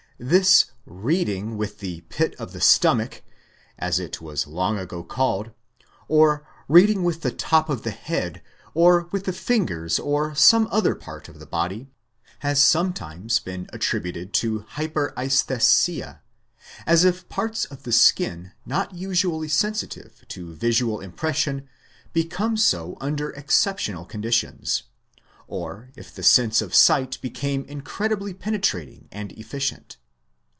This "reading with the pit of the stomach," as it was long ago called, or reading with the top of the head, or with the fingers or some other part of the body, has sometimes been attributed to hyperresthesia, as if parts of the skin not usually sensitive to visual impression become so under exceptional conditions, or as if the sense of sight became incredibly penetrating and efficient.